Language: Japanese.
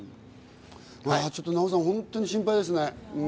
ナヲさん、本当に心配ですね。